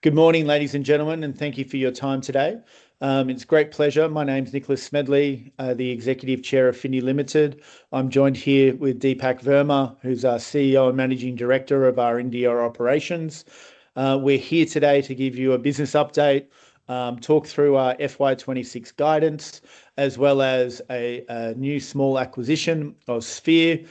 Good morning, ladies and gentlemen, and thank you for your time today. It's a great pleasure. My name is Nicholas Smedley, the Executive Chair of Findi Limited. I'm joined here with Deepak Verma, who's our CEO and Managing Director of our NDR operations. We're here today to give you a business update, talk through our FY 2026 guidance, as well as a new small acquisition of Sphere,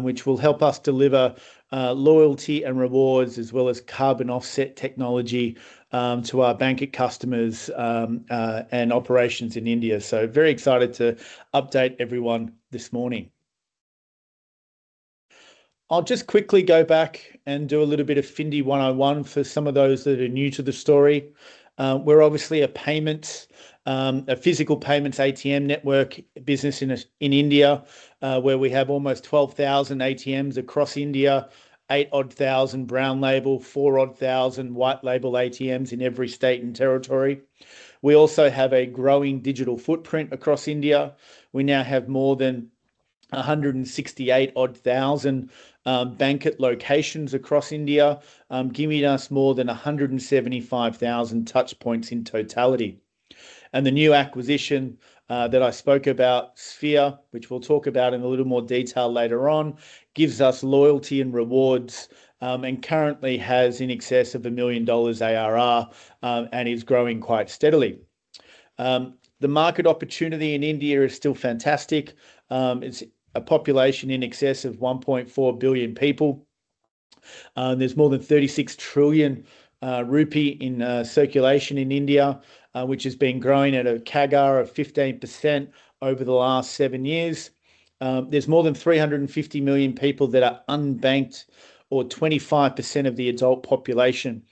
which will help us deliver loyalty and rewards, as well as carbon offset technology, to our banking customers and operations in India. Very excited to update everyone this morning. I'll just quickly go back and do a little bit of Findi 101 for some of those that are new to the sto We're obviously a payments, a physical payments ATM network business in India, where we have almost 12,000 ATMs across India, 8,000 odd Brown Label, 4,000 odd White Label ATMs in every state and territory. We also have a growing digital footprint across India. We now have more than 168,000 odd bank locations across India, giving us more than 175,000 touchpoints in totality. The new acquisition that I spoke about, Sphere, which we'll talk about in a little more detail later on, gives us loyalty and rewards, and currently has in excess of 1 million dollars ARR, and is growing quite steadily. The market opportunity in India is still fantastic. It's a population in excess of 1.4 billion people. There's more than 36 trillion rupee in circulation in India, which has been growing at a CAGR of 15% over the last seven years. There's more than 350 million people that are unbanked, or 25% of the adult population.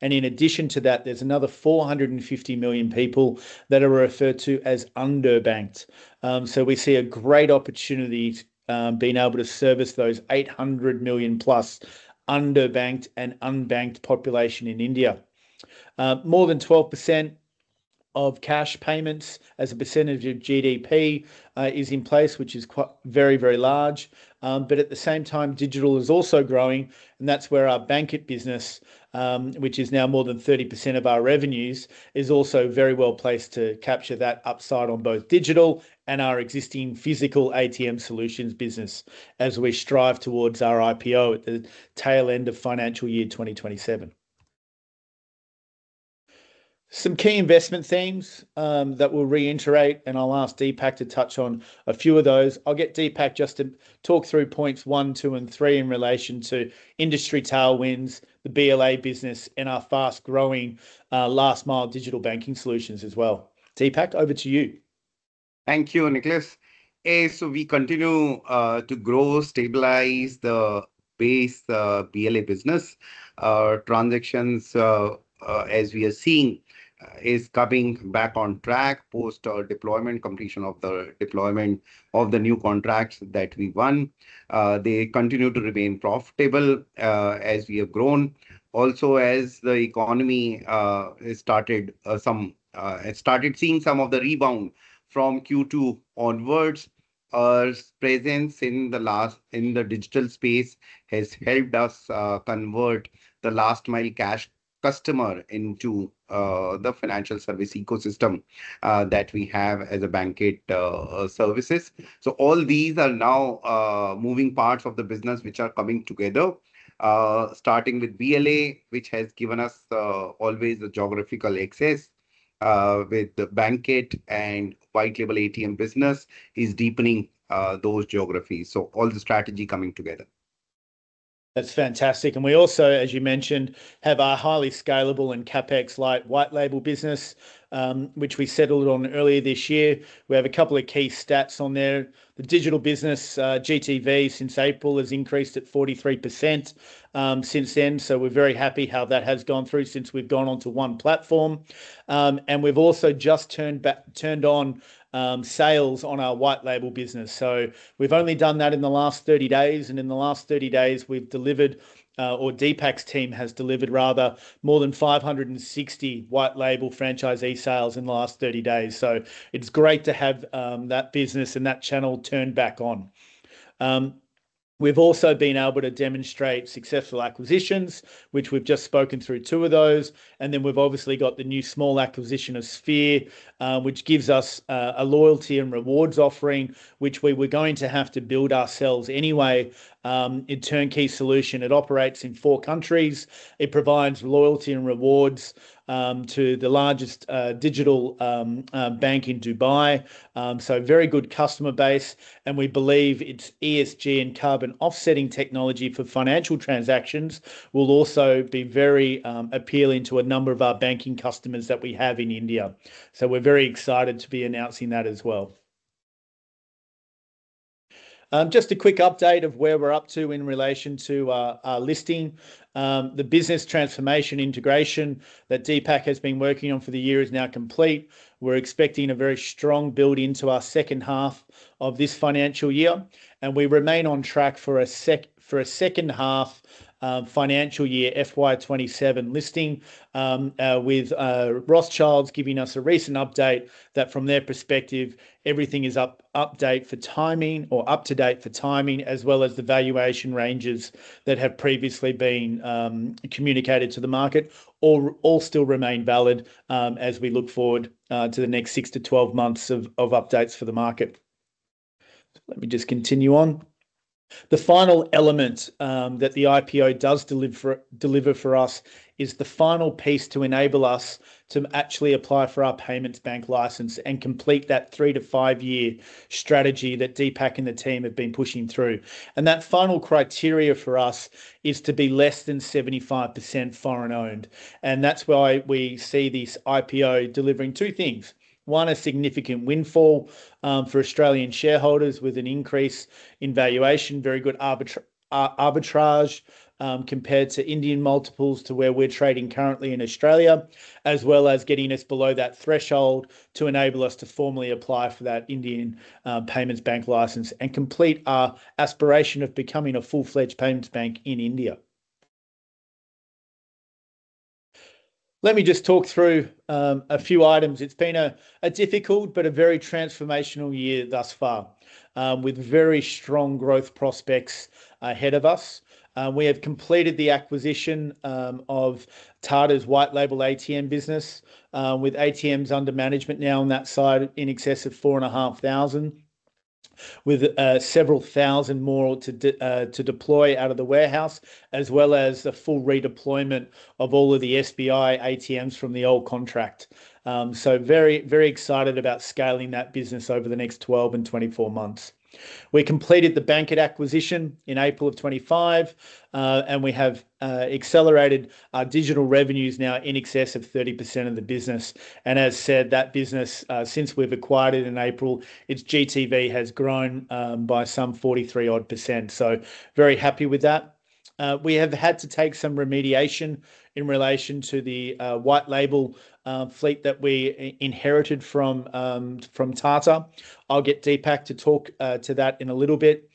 In addition to that, there's another 450 million people that are referred to as underbanked. We see a great opportunity, being able to service those 800+ million underbanked and unbanked population in India. More than 12% of cash payments as a percentage of GDP is in place, which is quite very, very large. At the same time, digital is also growing, and that's where our bank business, which is now more than 30% of our revenues, is also very well placed to capture that upside on both digital and our existing physical ATM solutions business as we strive towards our IPO at the tail end of financial year 2027. Some key investment themes that we'll reiterate, and I'll ask Deepak to touch on a few of those. I'll get Deepak just to talk through points one, two, and three in relation to industry tailwinds, the BLA business, and our fast growing last mile digital banking solutions as well. Deepak, over to you. Thank you, Nicholas. We continue to grow, stabilize the base, BLA business. Our transactions, as we are seeing, are coming back on track post our completion of the deployment of the new contracts that we won. They continue to remain profitable, as we have grown. Also, as the economy has started seeing some of the rebound from Q2 onwards, our presence in the digital space has helped us convert the last mile cash customer into the financial service ecosystem that we have as a bank, services. All these are now moving parts of the business which are coming together, starting with BLA, which has given us always a geographical access, with the bank and White Label ATM business is deepening those geographies. All the strategy coming together. That's fantastic. We also, as you mentioned, have our highly scalable and CapEx-light White Label ATM business, which we settled on earlier this year. We have a couple of key stats on there. The digital business GTV since April has increased at 43% since then. We're very happy how that has gone through since we've gone on to one platform. We've also just turned back, turned on, sales on our White Label ATM business. We've only done that in the last 30 days, and in the last 30 days, we've delivered, or Deepak's team has delivered rather, more than 560 White Label franchisee sales in the last 30 days. It's great to have that business and that channel turned back on. We've also been able to demonstrate successful acquisitions, which we've just spoken through two of those. We've obviously got the new small acquisition of Sphere, which gives us a loyalty and rewards offering, which we were going to have to build ourselves anyway. It's a turnkey solution. It operates in four countries. It provides loyalty and rewards to the largest digital bank in Dubai. Very good customer base, and we believe its ESG and carbon offset technology for financial transactions will also be very appealing to a number of our banking customers that we have in India. We're very excited to be announcing that as well. Just a quick update of where we're up to in relation to our listing. The business transformation integration that Deepak has been working on for the year is now complete. We're expecting a very strong build into our second half of this financial year, and we remain on track for a second half financial year FY 2027 listing, with Rothschild & Co giving us a recent update that from their perspective, everything is up to date for timing, as well as the valuation ranges that have previously been communicated to the market, all still remain valid, as we look forward to the next six to 12 months of updates for the market. Let me just continue on. The final element that the IPO does deliver for us is the final piece to enable us to actually apply for our payments bank license and complete that three to five-year strategy that Deepak and the team have been pushing through. That final criteria for us is to be less than 75% foreign owned. That's why we see this IPO delivering two things. One, a significant windfall for Australian shareholders with an increase in valuation, very good arbitrage compared to Indian multiples to where we're trading currently in Australia, as well as getting us below that threshold to enable us to formally apply for that Indian payments bank license and complete our aspiration of becoming a full-fledged payments bank in India. Let me just talk through a few items. It's been a difficult but a very transformational year thus far, with very strong growth prospects ahead of us. We have completed the acquisition of Tata Communications Payment Solutions Ltd's White Label ATM business, with ATMs under management now on that side in excess of 4,500, with several thousand more to deploy out of the warehouse, as well as the full redeployment of all of the State Bank of India ATMs from the old contract. Very excited about scaling that business over the next 12 and 24 months. We completed the bank acquisition in April 2025, and we have accelerated our digital revenues now in excess of 30% of the business. As said, that business, since we've acquired it in April, its GTV has grown by some 43% odd. Very happy with that. We have had to take some remediation in relation to the White Label fleet that we inherited from Tata Communications Payment Solutions Ltd. I'll get Deepak to talk to that in a little bit.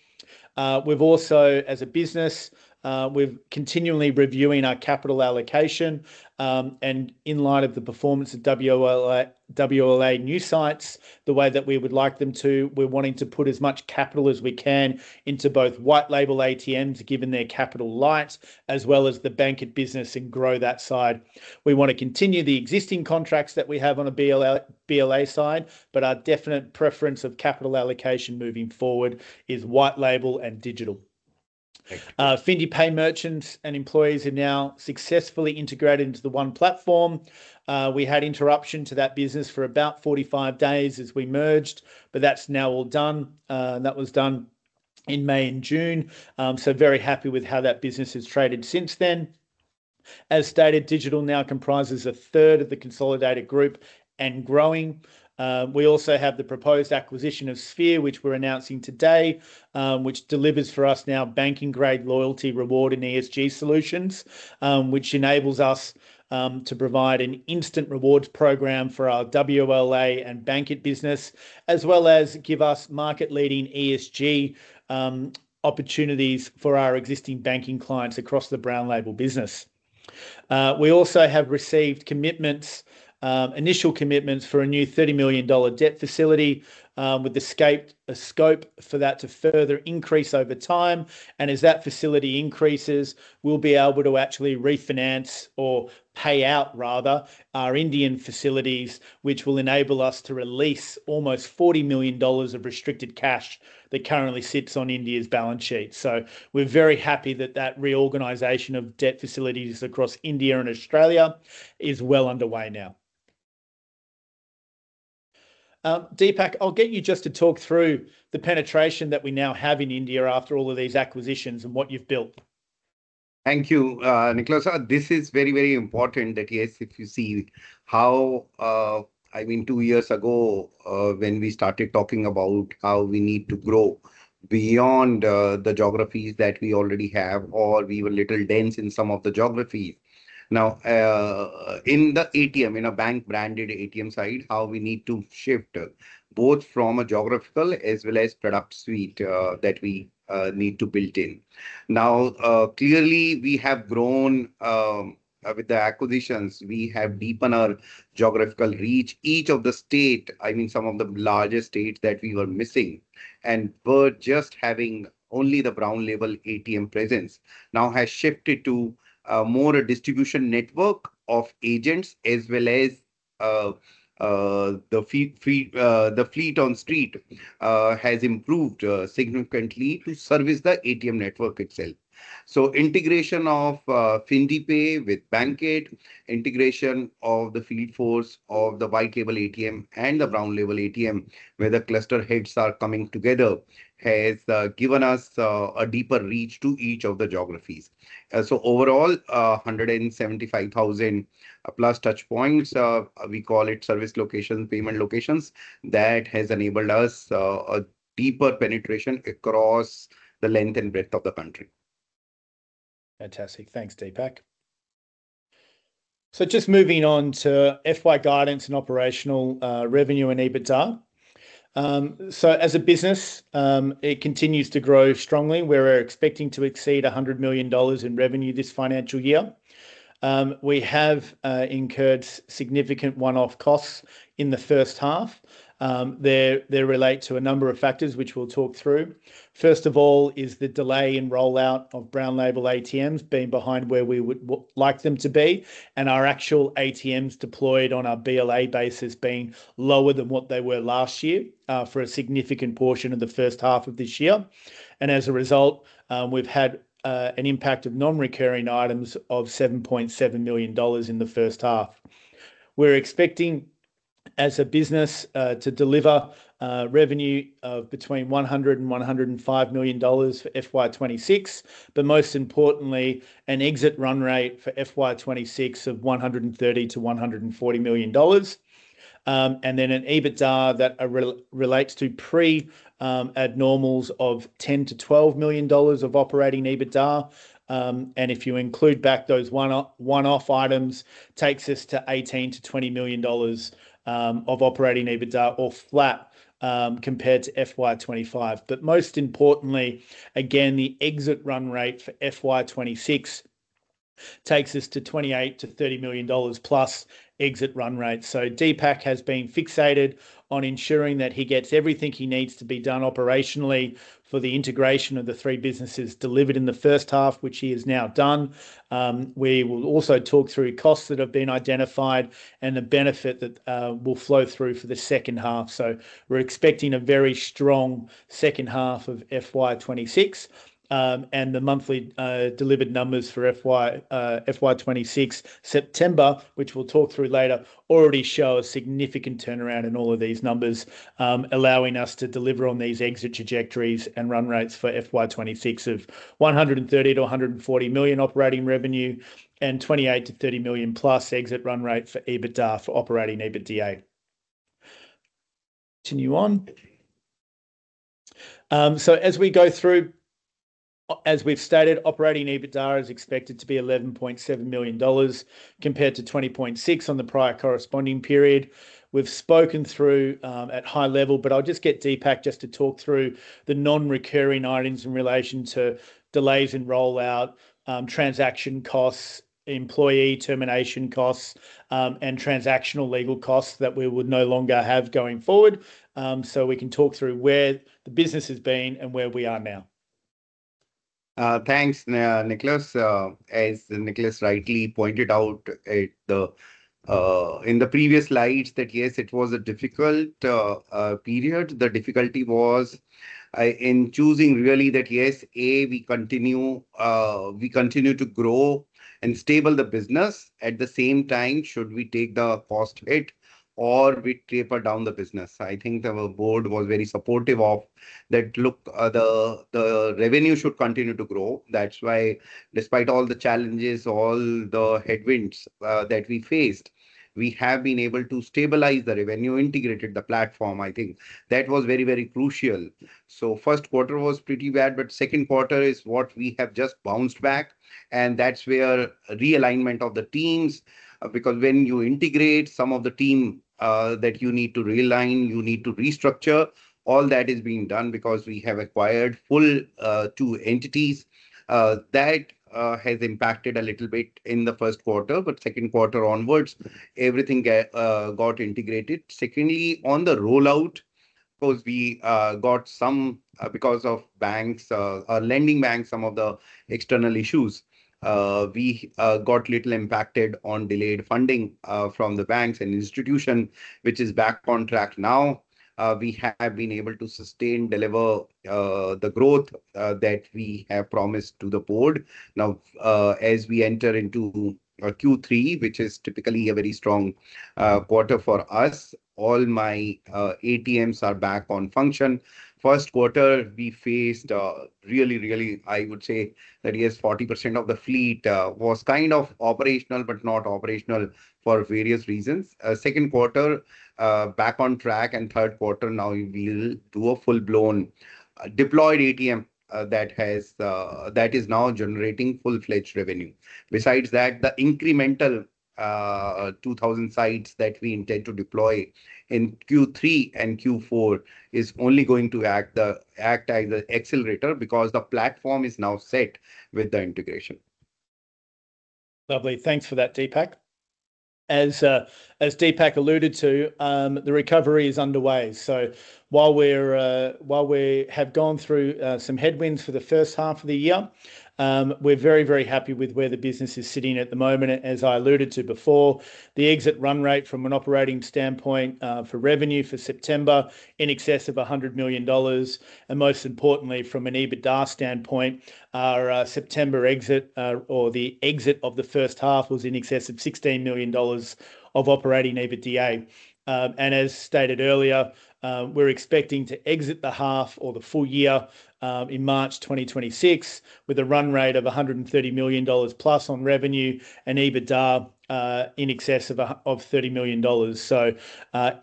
We've also, as a business, we're continually reviewing our capital allocation, and in light of the performance of White Label ATM new sites, the way that we would like them to, we're wanting to put as much capital as we can into both White Label ATMs, given they're capital light, as well as the bank business and grow that side. We want to continue the existing contracts that we have on a Brown Label ATM side, but our definite preference of capital allocation moving forward is White Label and digital. FindiPay merchants and employees are now successfully integrated into the one platform. We had interruption to that business for about 45 days as we merged, but that's now all done, and that was done in May and June. Very happy with how that business has traded since then. As stated, digital now comprises a third of the consolidated group and growing. We also have the proposed acquisition of Sphere, which we're announcing today, which delivers for us now banking-grade loyalty reward and ESG solutions, which enables us to provide an instant rewards program for our WLA and bank business, as well as give us market-leading ESG opportunities for our existing banking clients across the Brown Label ATM business. We also have received initial commitments for a new 30 million dollar debt facility, with the scope for that to further increase over time. As that facility increases, we'll be able to actually refinance or pay out, rather, our Indian facilities, which will enable us to release almost 40 million dollars of restricted cash that currently sits on India's balance sheet. We're very happy that that reorganization of debt facilities across India and Australia is well underway now. Deepak, I'll get you just to talk through the penetration that we now have in India after all of these acquisitions and what you've built. Thank you, Nicholas. This is very, very important that, yes, if you see how, I mean, two years ago, when we started talking about how we need to grow beyond the geographies that we already have, or we were a little dense in some of the geographies. Now, in the ATM, in a bank-branded ATM side, how we need to shift both from a geographical as well as product suite that we need to build in. Clearly, we have grown with the acquisitions. We have deepened our geographical reach, each of the states, I mean, some of the larger states that we were missing. Just having only the Brown Label ATM presence now has shifted to a more distribution network of agents, as well as the fleet on street has improved significantly to service the ATM network itself. Integration of FindiPay with BankAid, integration of the field force of the White Label ATM and the Brown Label ATM, where the cluster heads are coming together, has given us a deeper reach to each of the geographies. Overall, 175,000+ touchpoints, we call it service locations, payment locations, that has enabled us a deeper penetration across the length and breadth of the country. Fantastic. Thanks, Deepak. Just moving on to FY guidance and operational revenue and EBITDA. As a business, it continues to grow strongly. We're expecting to exceed 100 million dollars in revenue this financial year. We have incurred significant one-off costs in the first half. They relate to a number of factors, which we'll talk through. First of all is the delay in rollout of Brown Label ATMs being behind where we would like them to be, and our actual ATMs deployed on our BLA basis being lower than what they were last year for a significant portion of the first half of this year. As a result, we've had an impact of non-recurring items of 7.7 million dollars in the first half. We're expecting, as a business, to deliver revenue of between AUD 100 million and AUD 105 million for FY 2026, most importantly, an exit run rate for FY 2026 of 130 million-140 million dollars. An EBITDA that relates to pre-abnormals of 10 million-12 million dollars of operating EBITDA. If you include back those one-off items, it takes us to 18 million-20 million dollars of operating EBITDA or flat compared to FY 2025. Most importantly, again, the exit run rate for FY 2026 takes us to 28 million-30 million dollars plus exit run rate. Deepak has been fixated on ensuring that he gets everything he needs to be done operationally for the integration of the three businesses delivered in the first half, which he has now done. We will also talk through costs that have been identified and the benefit that will flow through for the second half. We're expecting a very strong second half of FY 2026, and the monthly delivered numbers for FY 2026, September, which we'll talk through later, already show a significant turnaround in all of these numbers, allowing us to deliver on these exit trajectories and run rates for FY 2026 of 130 million-140 million operating revenue and 28 million-30 million plus exit run rate for EBITDA for operating EBITDA. Continue on. As we go through, as we've stated, operating EBITDA is expected to be 11.7 million dollars compared to 20.6 million on the prior corresponding period. We've spoken through at high level, but I'll just get Deepak just to talk through the non-recurring items in relation to delays in rollout, transaction costs, employee termination costs, and transactional legal costs that we would no longer have going forward. We can talk through where the business has been and where we are now. Thanks, Nicholas. As Nicholas rightly pointed out in the previous slides, yes, it was a difficult period. The difficulty was in choosing really that yes, A, we continue to grow and stable the business. At the same time, should we take the cost hit or we taper down the business? I think the board was very supportive of that. Look, the revenue should continue to grow. That's why, despite all the challenges, all the headwinds that we faced, we have been able to stabilize the revenue, integrated the platform. I think that was very, very crucial. First quarter was pretty bad, but second quarter is what we have just bounced back. That's where realignment of the teams, because when you integrate some of the team, you need to realign, you need to restructure, all that is being done because we have acquired full, two entities. That has impacted a little bit in the first quarter, but second quarter onwards, everything got integrated. Secondly, on the rollout, because we got some, because of banks, lending banks, some of the external issues, we got little impacted on delayed funding from the banks and institution, which is back contract now. We have been able to sustain, deliver the growth that we have promised to the board. Now, as we enter into Q3, which is typically a very strong quarter for us, all my ATMs are back on function. First quarter, we faced, really, really, I would say that yes, 40% of the fleet was kind of operational, but not operational for various reasons. Second quarter, back on track, and third quarter, now we will do a full-blown, deployed ATM that is now generating full-fledged revenue. Besides that, the incremental 2,000 sites that we intend to deploy in Q3 and Q4 is only going to act as the accelerator because the platform is now set with the integration. Lovely. Thanks for that, Deepak. As Deepak alluded to, the recovery is underway. While we have gone through some headwinds for the first half of the year, we're very, very happy with where the business is sitting at the moment. As I alluded to before, the exit run rate from an operating standpoint for revenue for September is in excess of 100 million dollars, and most importantly, from an EBITDA standpoint, our September exit, or the exit of the first half, was in excess of 16 million dollars of operating EBITDA. As stated earlier, we're expecting to exit the half or the full year in March 2026 with a run rate of 130+ million dollars on revenue and EBITDA in excess of 30 million dollars.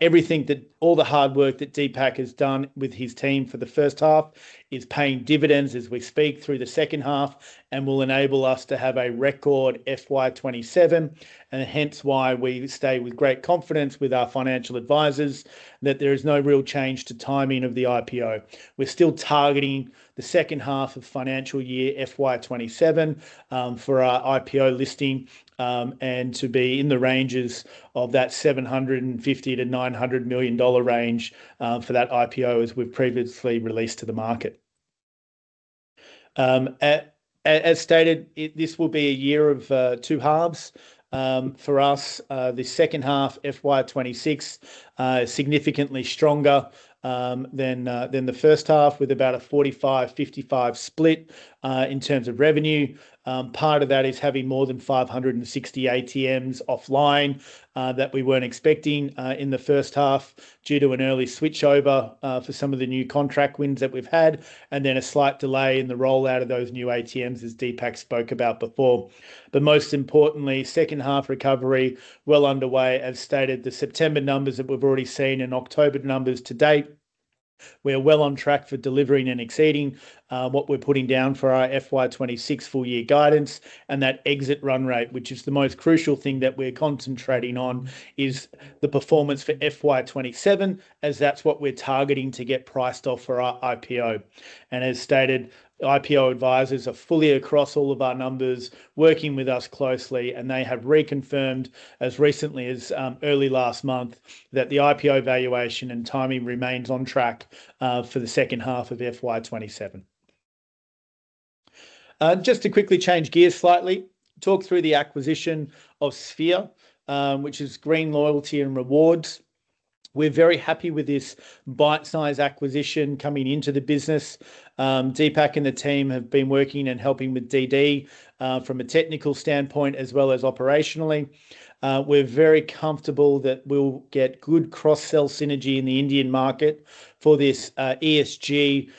Everything that all the hard work that Deepak has done with his team for the first half is paying dividends as we speak through the second half and will enable us to have a record FY 2027. Hence why we stay with great confidence with our financial advisors that there is no real change to timing of the IPO. We're still targeting the second half of financial year FY 2027 for our IPO listing, and to be in the ranges of that 750 million- 900 million dollar range for that IPO as we've previously released to the market. As stated, this will be a year of two halves. For us, the second half, FY 2026, is significantly stronger than the first half with about a 45%-55% split in terms of revenue. Part of that is having more than 560 ATMs offline that we weren't expecting in the first half due to an early switchover for some of the new contract wins that we've had, and then a slight delay in the rollout of those new ATMs as Deepak spoke about before. Most importantly, second half recovery is well underway. As stated, the September numbers that we've already seen and October numbers to date, we are well on track for delivering and exceeding what we're putting down for our FY 2026 full-year guidance. That exit run rate, which is the most crucial thing that we're concentrating on, is the performance for FY 2027, as that's what we're targeting to get priced off for our IPO. As stated, IPO advisors are fully across all of our numbers, working with us closely, and they have reconfirmed as recently as early last month that the IPO valuation and timing remains on track for the second half of FY 2027. To quickly change gears slightly, talk through the acquisition of Sphere, which is Green Loyalty and Rewards. We're very happy with this bite-size acquisition coming into the business. Deepak and the team have been working and helping with DD from a technical standpoint as well as operationally. We're very comfortable that we'll get good cross-sell synergy in the Indian market for this ESG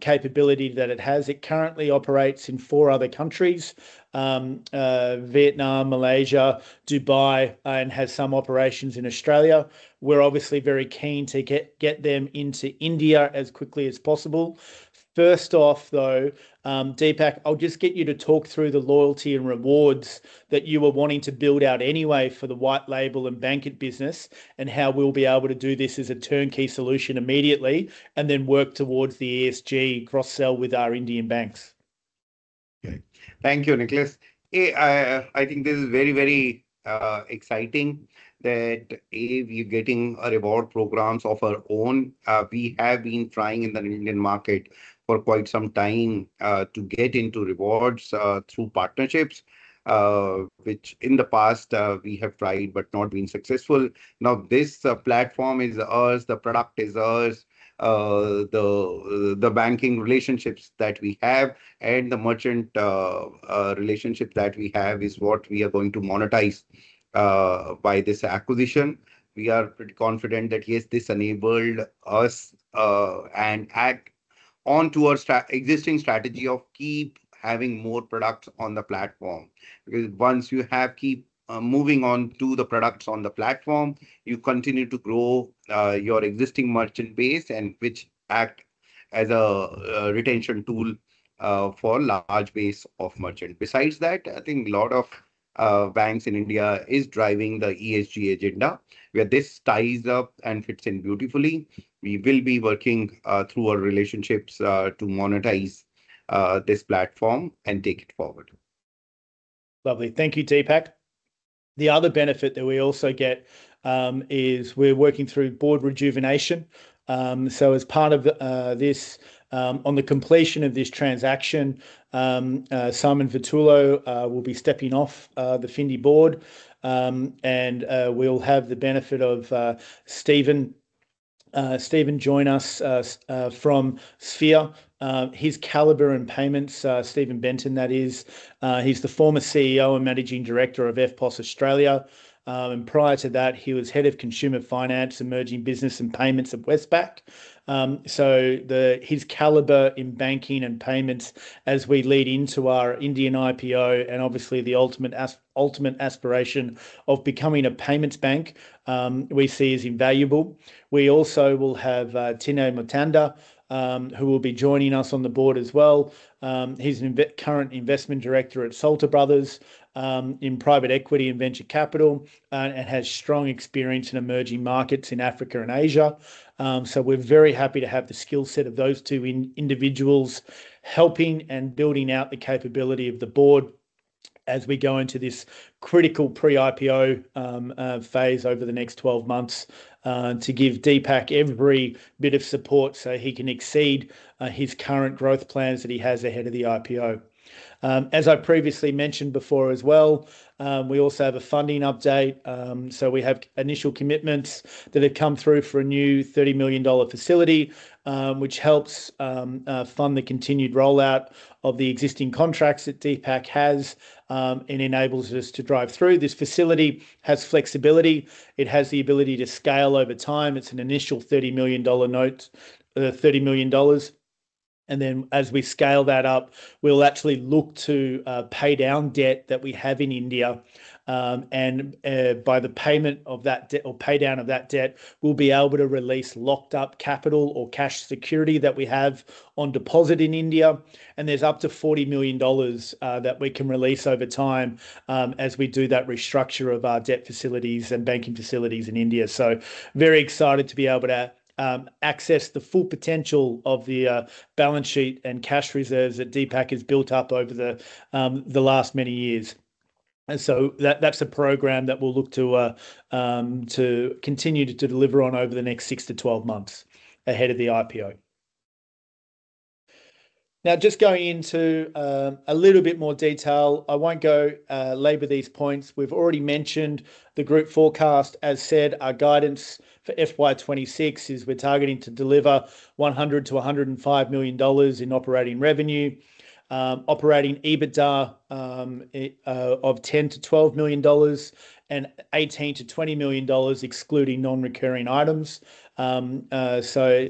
capability that it has. It currently operates in four other countries: Vietnam, Malaysia, Dubai, and has some operations in Australia. We're obviously very keen to get them into India as quickly as possible. First off, though, Deepak, I'll just get you to talk through the loyalty and rewards that you were wanting to build out anyway for the White Label and bank business and how we'll be able to do this as a turnkey solution immediately and then work towards the ESG cross-sell with our Indian banks. Okay. Thank you, Nicholas. I think this is very, very exciting that, A, we are getting reward programs of our own. We have been trying in the Indian market for quite some time to get into rewards through partnerships, which in the past we have tried but not been successful. Now this platform is ours, the product is ours, the banking relationships that we have, and the merchant relationship that we have is what we are going to monetize by this acquisition. We are pretty confident that, yes, this enabled us and added onto our existing strategy of keep having more products on the platform. Because once you keep moving on to the products on the platform, you continue to grow your existing merchant base, which acts as a retention tool for a large base of merchants. Besides that, I think a lot of banks in India are driving the ESG agenda. Where this ties up and fits in beautifully, we will be working through our relationships to monetize this platform and take it forward. Lovely. Thank you, Deepak. The other benefit that we also get is we're working through board rejuvenation. As part of this, on the completion of this transaction, Simon Vitulo will be stepping off the Findi board, and we'll have the benefit of Steven joining us from Sphere. His caliber in payments, Steven Benton, that is, he's the former CEO and Managing Director of eftpos Australia. Prior to that, he was Head of Consumer Finance, Emerging Business and Payments at Westpac. His caliber in banking and payments as we lead into our Indian IPO and obviously the ultimate aspiration of becoming a payments bank we see is invaluable. We also will have Tino Motanda, who will be joining us on the board as well. He's a current Investment Director at Salter Brothers in private equity and venture capital and has strong experience in emerging markets in Africa and Asia. We're very happy to have the skill set of those two individuals helping and building out the capability of the board as we go into this critical pre-IPO phase over the next 12 months to give Deepak every bit of support so he can exceed his current growth plans that he has ahead of the IPO. As I previously mentioned before as well, we also have a funding update. We have initial commitments that have come through for a new 30 million dollar facility, which helps fund the continued rollout of the existing contracts that Deepak has and enables us to drive through. This facility has flexibility. It has the ability to scale over time. It's an initial 30 million dollar note, 30 million dollars. As we scale that up, we'll actually look to pay down debt that we have in India. By the payment of that debt or pay down of that debt, we'll be able to release locked up capital or cash security that we have on deposit in India. There's up to 40 million dollars that we can release over time as we do that restructure of our debt facilities and banking facilities in India. Very excited to be able to access the full potential of the balance sheet and cash reserves that Deepak has built up over the last many years. That's a program that we'll look to continue to deliver on over the next six to 12 months ahead of the IPO. Now, just going into a little bit more detail, I won't go over these points. We've already mentioned the group forecast. As said, our guidance for FY 2026 is we're targeting to deliver 100 million-105 million dollars in operating revenue, operating EBITDA of 10 million-12 million dollars, and 18 million-20 million dollars, excluding non-recurring items. The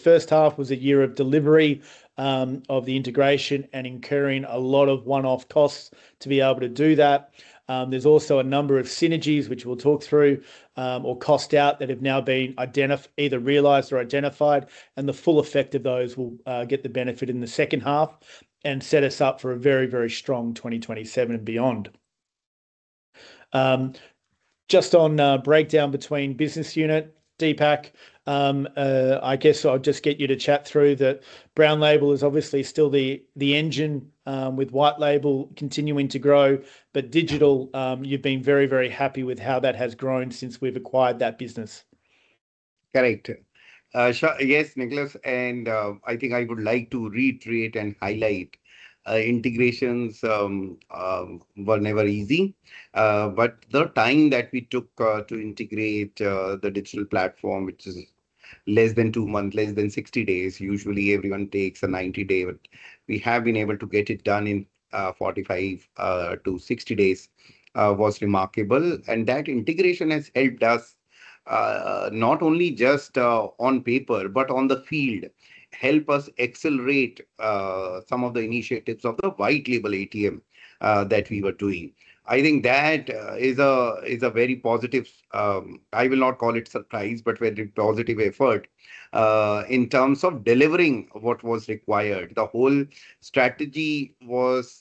first half was a year of delivery of the integration and incurring a lot of one-off costs to be able to do that. There are also a number of synergies, which we'll talk through or cost out, that have now been either realized or identified, and the full effect of those will get the benefit in the second half and set us up for a very, very strong 2027 and beyond. Just on breakdown between business unit, Deepak, I guess I'll just get you to chat through that. Brown Label is obviously still the engine with White Label continuing to grow, but digital, you've been very, very happy with how that has grown since we've acquired that business. Correct. Yes, Nicholas, and I think I would like to recreate and highlight integrations. Were never easy, but the time that we took to integrate the digital platform, which is less than two months, less than 60 days, usually everyone takes a 90-day, but we have been able to get it done in 45-60 days, was remarkable. That integration has helped us not only just on paper, but on the field, help us accelerate some of the initiatives of the White Label ATM that we were doing. I think that is a very positive, I will not call it surprise, but very positive effort in terms of delivering what was required. The whole strategy was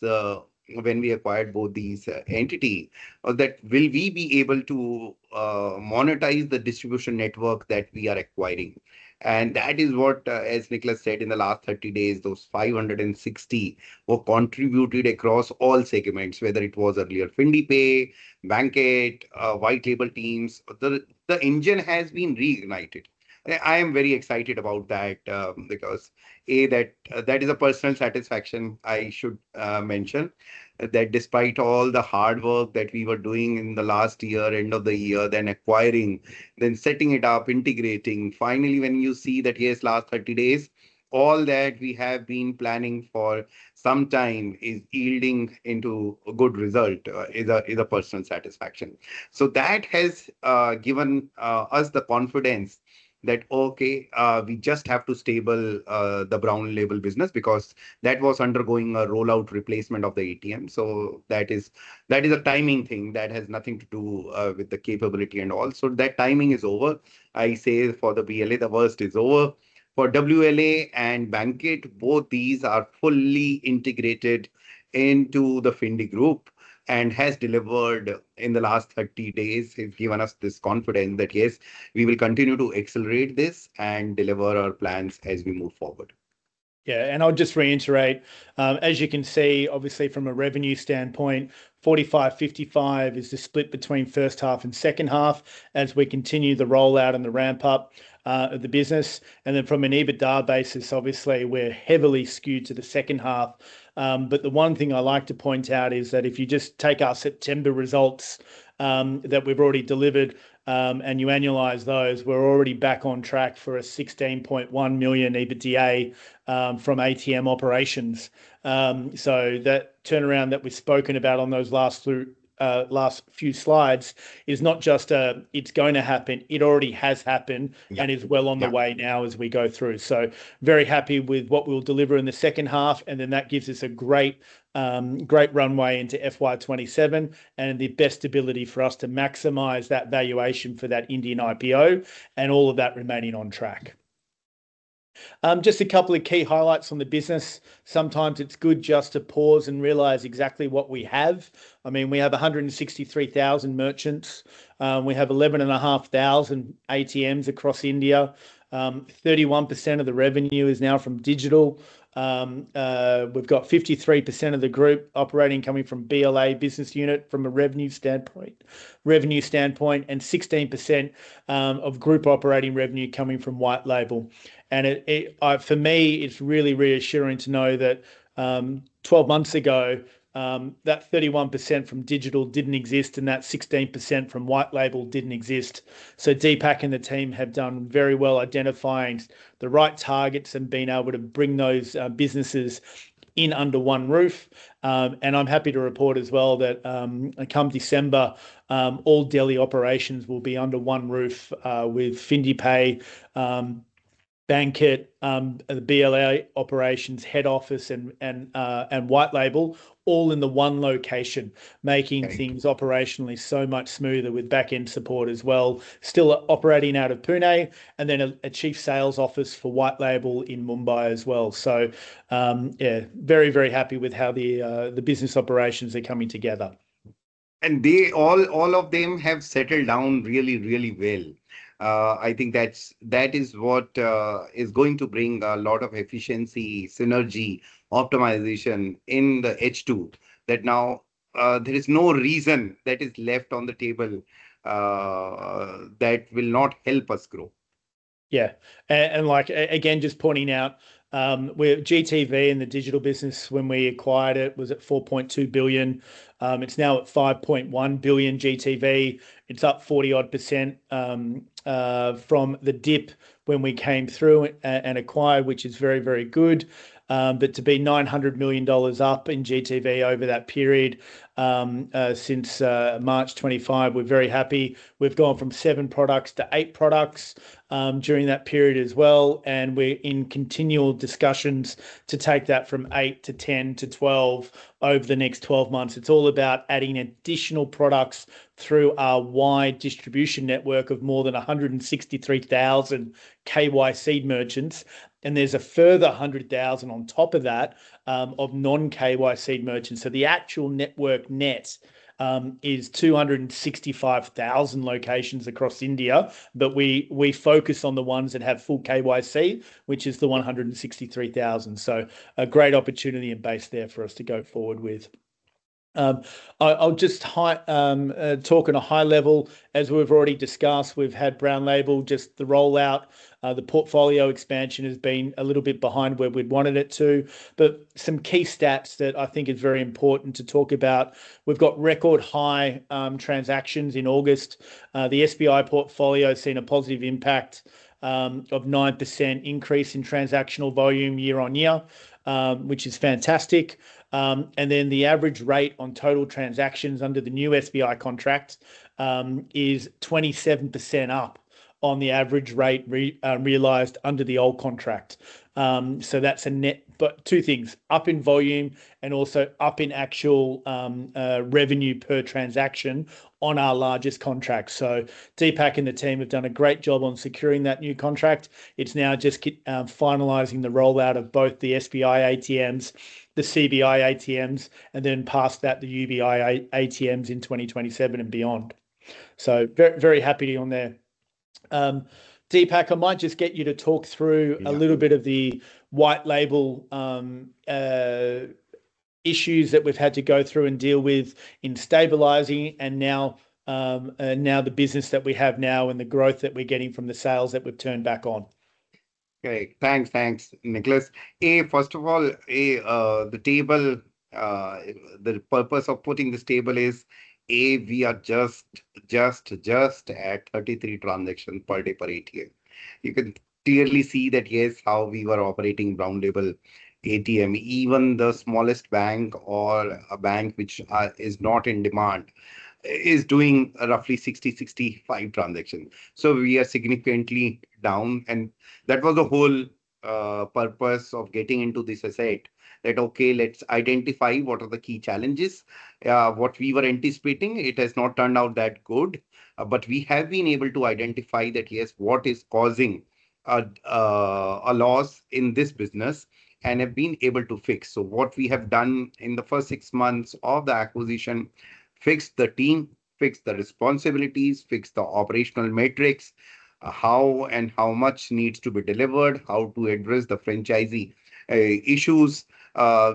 when we acquired both these entities that will we be able to monetize the distribution network that we are acquiring. That is what, as Nicholas said, in the last 30 days, those 560 were contributed across all segments, whether it was earlier FindiPay, BankAid, White Label teams. The engine has been reignited. I am very excited about that because A, that is a personal satisfaction. I should mention that despite all the hard work that we were doing in the last year, end of the year, then acquiring, then setting it up, integrating, finally when you see that yes, last 30 days, all that we have been planning for some time is yielding into a good result is a personal satisfaction. That has given us the confidence that, okay, we just have to stable the Brown Label business because that was undergoing a rollout replacement of the ATM. That is a timing thing that has nothing to do with the capability and all. That timing is over. I say for the BLA, the worst is over. For WLA and BankAid, both these are fully integrated into the Findi group and have delivered in the last 30 days. They've given us this confidence that yes, we will continue to accelerate this and deliver our plans as we move forward. Yeah, and I'll just reiterate. As you can see, obviously from a revenue standpoint, 45-55 is the split between first half and second half as we continue the rollout and the ramp-up of the business. From an EBITDA basis, obviously we're heavily skewed to the second half. The one thing I like to point out is that if you just take our September results that we've already delivered and you annualize those, we're already back on track for a 16.1 million EBITDA from ATM operations. That turnaround that we've spoken about on those last few slides is not just a, it's going to happen. It already has happened and is well on the way now as we go through. Very happy with what we'll deliver in the second half, and that gives us a great runway into FY 2027 and the best ability for us to maximize that valuation for that Indian IPO and all of that remaining on track. Just a couple of key highlights on the business. Sometimes it's good just to pause and realize exactly what we have. I mean, we have 163,000 merchants. We have 11,500 ATMs across India. 31% of the revenue is now from digital. We've got 53% of the group operating coming from BLA business unit from a revenue standpoint, and 16% of group operating revenue coming from white label. For me, it's really reassuring to know that 12 months ago, that 31% from digital didn't exist and that 16% from white label didn't exist. Deepak and the team have done very well identifying the right targets and being able to bring those businesses in under one roof. I'm happy to report as well that come December, all Delhi operations will be under one roof with FindiPay, BankAid, the BLA operations, head office, and white label, all in the one location, making things operationally so much smoother with backend support as well. Still operating out of Pune and then a Chief Sales Office for white label in Mumbai as well. Very, very happy with how the business operations are coming together. All of them have settled down really, really well. I think that is what is going to bring a lot of efficiency, synergy, and optimization in the H2. Now there is no reason that is left on the table that will not help us grow. Yeah, and like again, just pointing out, where GTV in the digital business when we acquired it was at 4.2 billion. It's now at 5.1 billion GTV. It's up 40% from the dip when we came through and acquired, which is very, very good. To be 900 million dollars up in GTV over that period since March 25, we're very happy. We've gone from seven products to eight products during that period as well. We're in continual discussions to take that from eight to 10 to 12 over the next 12 months. It's all about adding additional products through our wide distribution network of more than 163,000 KYC merchants. There's a further 100,000 on top of that of non-KYC merchants. The actual network net is 265,000 locations across India, but we focus on the ones that have full KYC, which is the 163,000. A great opportunity and base there for us to go forward with. I'll just talk on a high level. As we've already discussed, we've had Brown Label, just the rollout. The portfolio expansion has been a little bit behind where we'd wanted it to, but some key stats that I think are very important to talk about. We've got record high transactions in August. The State Bank of India portfolio has seen a positive impact of a 9% increase in transactional volume year on year, which is fantastic. The average rate on total transactions under the new State Bank of India contract is 27% up on the average rate realized under the old contract. That's a net, but two things, up in volume and also up in actual revenue per transaction on our largest contract. Deepak and the team have done a great job on securing that new contract. It's now just finalizing the rollout of both the State Bank of India ATMs, the Central Bank of India ATMs, and then past that, the Union Bank of India ATMs in 2027 and beyond. Very, very happy to be on there. Deepak, I might just get you to talk through a little bit of the White Label issues that we've had to go through and deal with in stabilizing and now the business that we have now and the growth that we're getting from the sales that we've turned back on. Okay, thanks, thanks, Nicholas. First of all, the purpose of putting this table is, A, we are just at 33 transactions per day per ATM. You can clearly see that, yes, how we were operating Brown Label ATMs, even the smallest bank or a bank which is not in demand is doing roughly 60, 65 transactions. We are significantly down. That was the whole purpose of getting into this. I said, okay, let's identify what are the key challenges, what we were anticipating. It has not turned out that good, but we have been able to identify that, yes, what is causing a loss in this business and have been able to fix. What we have done in the first six months of the acquisition: fixed the team, fixed the responsibilities, fixed the operational metrics, how and how much needs to be delivered, how to address the franchisee issues.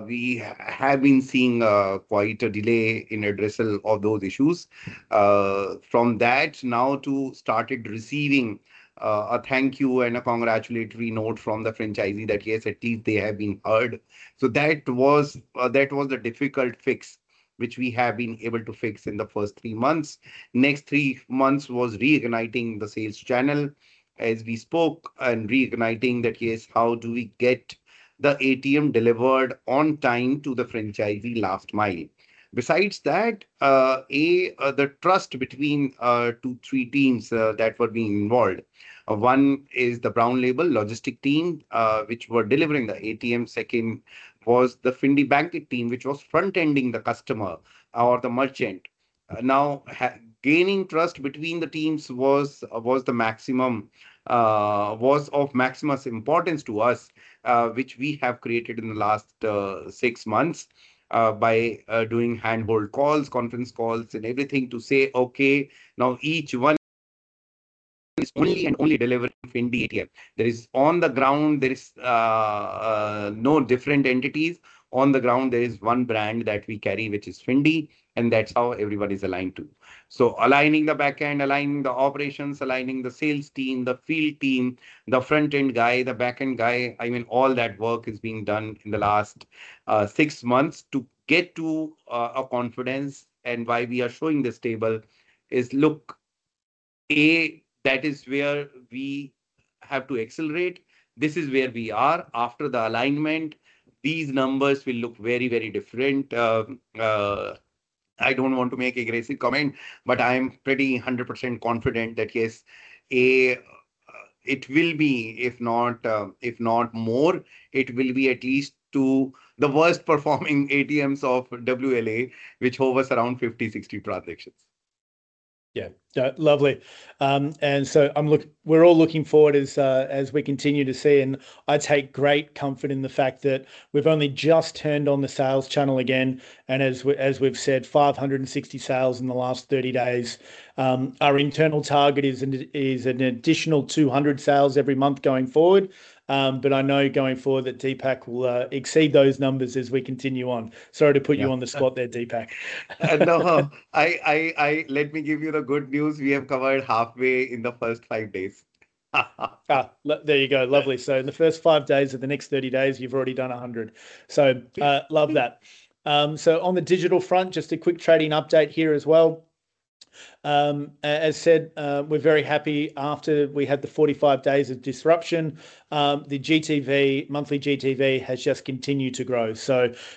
We have been seeing quite a delay in addressing all those issues. From that, now to start receiving a thank you and a congratulatory note from the franchisee that, yes, at least they have been heard. That was the difficult fix which we have been able to fix in the first three months. The next three months was reigniting the sales channel as we spoke and reigniting that, yes, how do we get the ATM delivered on time to the franchisee last mile. Besides that, the trust between two or three teams that were being involved. One is the Brown Label logistic team which were delivering the ATM. Second was the Findi BankAid team which was front-ending the customer or the merchant. Now, gaining trust between the teams was of maximum importance to us, which we have created in the last six months by doing handhold calls, conference calls, and everything to say, okay, now each one is only and only delivering Findi ATM. On the ground, there is no different entities. On the ground, there is one brand that we carry, which is Findi, and that's how everyone is aligned to. Aligning the backend, aligning the operations, aligning the sales team, the field team, the front-end guy, the back-end guy, all that work is being done in the last six months to get to a confidence. Why we are showing this table is, look, A, that is where we have to accelerate. This is where we are after the alignment. These numbers will look very, very different. I don't want to make an aggressive comment, but I am pretty 100% confident that, yes, A, it will be, if not, if not more, it will be at least two of the worst performing ATMs of WLA, which holds us around 50, 60 transactions. Yeah, lovely. I'm looking, we're all looking forward as we continue to see. I take great comfort in the fact that we've only just turned on the sales channel again. As we've said, 560 sales in the last 30 days. Our internal target is an additional 200 sales every month going forward. I know going forward that Deepak will exceed those numbers as we continue on. Sorry to put you on the spot there, Deepak. Let me give you the good news. We have covered halfway in the first five days. There you go. Lovely. In the first five days of the next 30 days, you've already done 100. Love that. On the digital front, just a quick trading update here as well. As said, we're very happy after we had the 45 days of disruption. The GTV, monthly GTV has just continued to grow.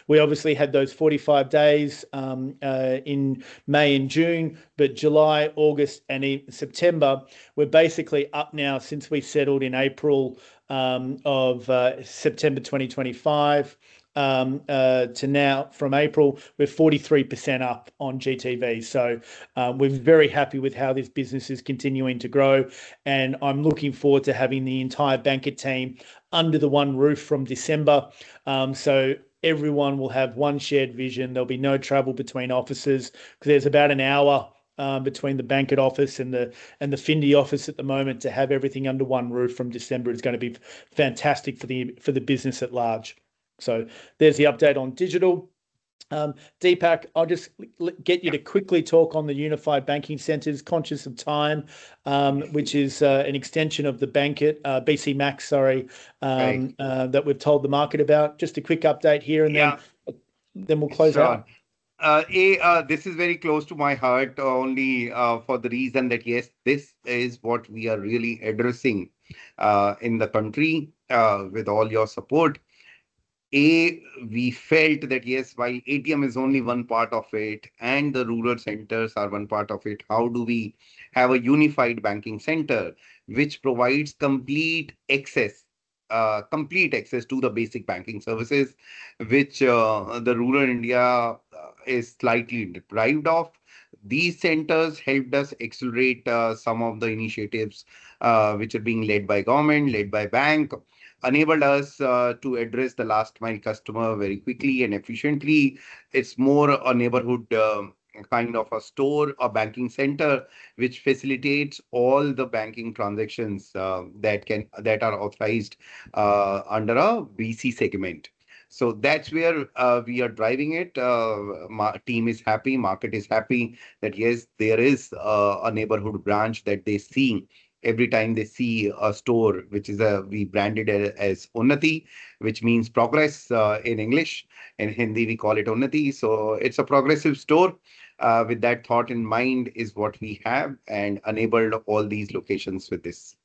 We obviously had those 45 days in May and June, but July, August, and September, we're basically up now since we settled in April. As of September 2025 to now from April, we're 43% up on GTV. We're very happy with how this business is continuing to grow. I'm looking forward to having the entire BankAid team under the one roof from December. Everyone will have one shared vision. There'll be no travel between offices because there's about an hour between the BankAid office and the Findi office at the moment. To have everything under one roof from December is going to be fantastic for the business at large. There's the update on digital. Deepak, I'll just get you to quickly talk on the Unified Banking Centers, conscious of time, which is an extension of the BankAid, BC Max, sorry, that we've told the market about. Just a quick update here and then we'll close out. This is very close to my heart, only for the reason that yes, this is what we are really addressing in the country with all your support. We felt that yes, while ATM is only one part of it and the rural centers are one part of it, how do we have a unified banking center which provides complete access, complete access to the basic banking services, which the rural India is slightly deprived of? These centers helped us accelerate some of the initiatives which are being led by government, led by bank, enabled us to address the last mile customer very quickly and efficiently. It's more a neighborhood kind of a store, a banking center, which facilitates all the banking transactions that are authorized under our BC segment. That's where we are driving it. Our team is happy, market is happy that yes, there is a neighborhood branch that they see every time they see a store, which we branded as Unnati, which means progress in English. In Hindi, we call it Unnati. It's a progressive store. With that thought in mind is what we have and enabled all these locations with this.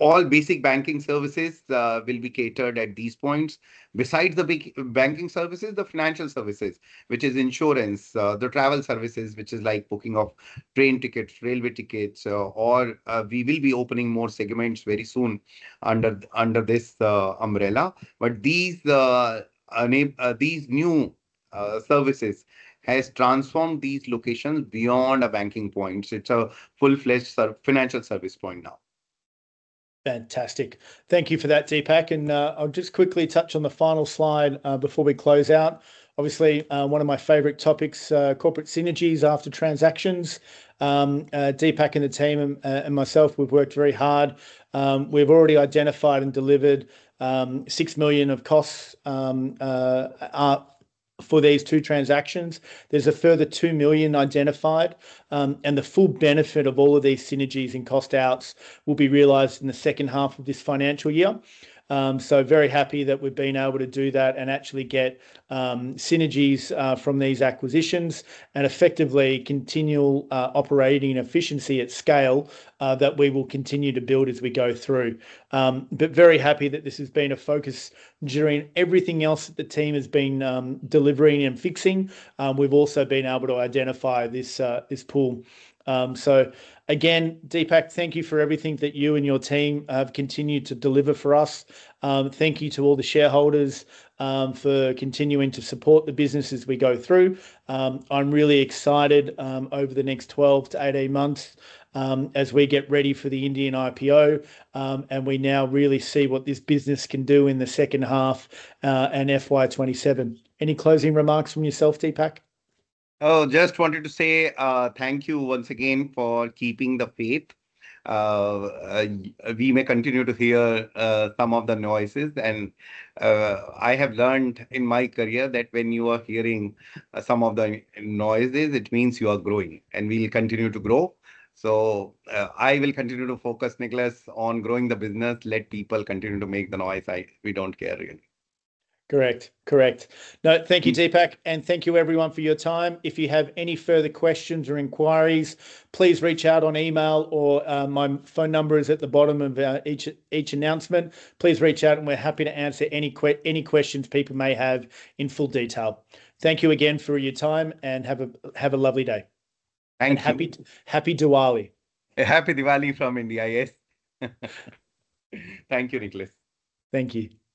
All basic banking services will be catered at these points. Besides the big banking services, the financial services, which is insurance, the travel services, which is like booking of train tickets, railway tickets, or we will be opening more segments very soon under this umbrella. These new services have transformed these locations beyond a banking point. It's a full-fledged financial service point now. Fantastic. Thank you for that, Deepak. I'll just quickly touch on the final slide before we close out. Obviously, one of my favorite topics, corporate synergies after transactions. Deepak and the team and myself, we've worked very hard. We've already identified and delivered 6 million of costs for these two transactions. There's a further 2 million identified. The full benefit of all of these synergies and cost outs will be realized in the second half of this financial year. Very happy that we've been able to do that and actually get synergies from these acquisitions and effectively continue operating in efficiency at scale that we will continue to build as we go through. Very happy that this has been a focus during everything else that the team has been delivering and fixing. We've also been able to identify this pool. Again, Deepak, thank you for everything that you and your team have continued to deliver for us. Thank you to all the shareholders for continuing to support the business as we go through. I'm really excited over the next 12-18 months as we get ready for the Indian IPO. We now really see what this business can do in the second half and FY 2027. Any closing remarks from yourself, Deepak? Oh, just wanted to say thank you once again for keeping the faith. We may continue to hear some of the noises. I have learned in my career that when you are hearing some of the noises, it means you are growing and we'll continue to grow. I will continue to focus, Nicholas, on growing the business. Let people continue to make the noise. We don't care, really. Correct, correct. No, thank you, Deepak. Thank you, everyone, for your time. If you have any further questions or inquiries, please reach out on email or my phone number is at the bottom of each announcement. Please reach out and we're happy to answer any questions people may have in full detail. Thank you again for your time and have a lovely day. Thank you. Happy Diwali. Happy Diwali from India, yes. Thank you, Nicholas. Thank you.